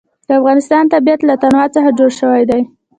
د افغانستان طبیعت له تنوع څخه جوړ شوی دی.